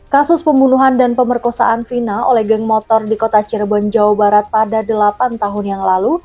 kasus pembunuhan dan pemerkosaan vina oleh geng motor di kota cirebon jawa barat pada delapan tahun yang lalu